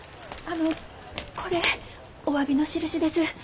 あのこれおわびのしるしです。